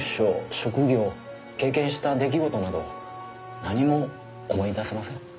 職業経験した出来事など何も思い出せません。